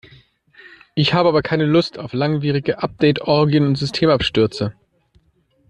Ich habe aber keine Lust auf langwierige Update-Orgien und Systemabstürze.